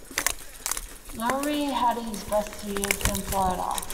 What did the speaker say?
Lowry had his best years in Florida.